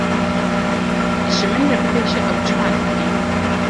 Ji min re bibêje ew çima digirî?